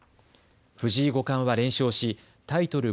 藤井五冠は連勝しタイトル